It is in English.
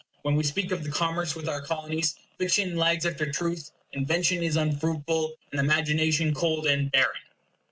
When we speak of the commerce with our Colonies, fiction lags after truth, invention is unfruitful, and imagination cold and barren.